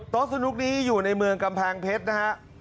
โต๊ะสนุกนี้อยู่ในเมืองกำแพงเพชรนะครับ